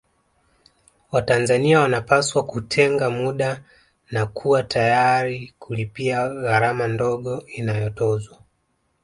Watanzania wanapaswa kutenga muda na kuwa tayari kulipia gharama ndogo inayotozwa